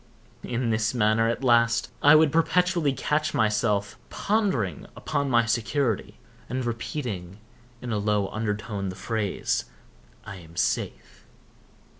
In this manner, at last, I would perpetually catch myself pondering upon my security, and repeating, in a low undertone, the phrase, "I am safe."